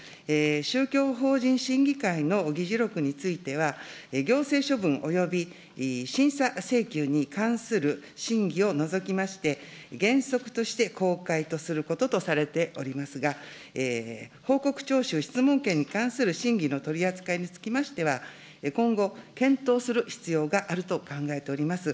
宗教法人審議会の議事録については、行政処分および、審査請求に関する審議を除きまして、原則として公開とすることとされておりますが、報告徴収質問権に関する審議の取り扱いにつきましては、今後、検討する必要があると考えております。